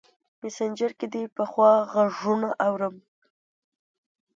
مسینجر کې دې پخوا غـــــــږونه اورم